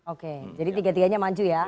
oke jadi tiga tiganya maju ya